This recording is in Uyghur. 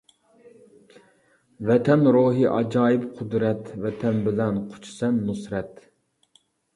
ۋەتەن روھى ئاجايىپ قۇدرەت، ۋەتەن بىلەن قۇچىسەن نۇسرەت.